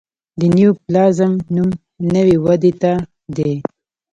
د نیوپلازم نوم نوي ودې ته دی.